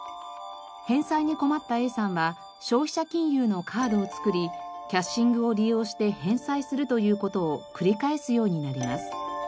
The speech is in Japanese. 返済に困ったＡさんは消費者金融のカードを作りキャッシングを利用して返済するという事を繰り返すようになります。